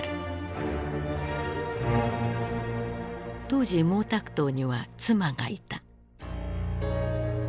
当時毛沢東には妻がいた。